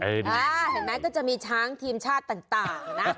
เห็นไหมก็จะมีช้างทีมชาติต่างนะ